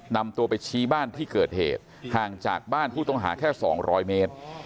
นำตัวไปชี้บ้านที่เกิดเหตุห่างจากบ้านผู้ต้องหาแค่๒๐๐เมตร